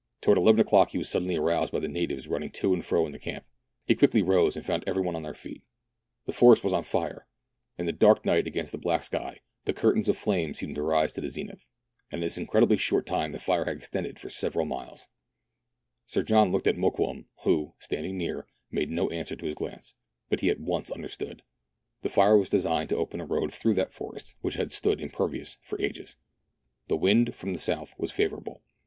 Towards eleven o'clock he was suddenly aroused by the natives running to and fro in the camp. He quickly rose, and found every one on their feet. The forest was on fire. In the dark night, against the black sky, the curtain of flame Sir John was soon asleep. — [Page 124.] The I'uiL'bt oil Fire. — [I'agc 125. J THREE ENGLISHMEN AND THREE RUSSIANS. T 25 seemed to rise to the zenith ; and in this incredibly short time the fire had extended for several miles. Sir John looked at Mokoum, who, standing near, made no answer to his glance ; but he at once understood. The fire was designed to open a road through that forest which had stood impervious for ages. The wind, from the south, was favourable.